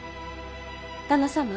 旦那様？